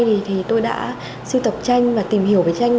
từ hai nghìn hai thì tôi đã sưu tập tranh và tìm hiểu về tranh